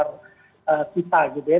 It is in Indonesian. dari pasar energy market bergerak